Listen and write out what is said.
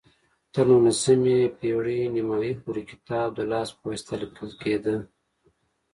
تر نولسمې پېړۍ نیمايي پورې کتاب د لاس په واسطه لیکل کېده.